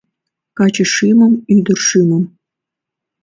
Каче шӱмым, ӱдыр шӱмым